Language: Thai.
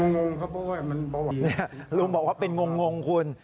ไม่รู้เลยครับมันเบาหวานลุงบอกว่าเป็นงงคุณ